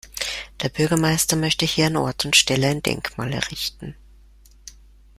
Der Bürgermeister möchte hier an Ort und Stelle ein Denkmal errichten.